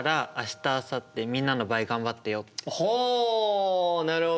ほうなるほどね。